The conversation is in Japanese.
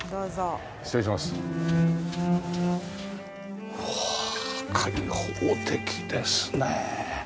うわあ開放的ですね。